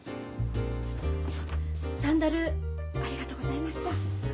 サンダルありがとうございました。